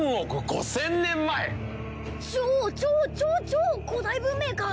超超超超古代文明か。